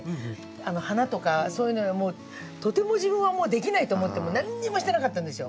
花とかそういうのはもうとても自分はできないと思って何にもしてなかったんですよ。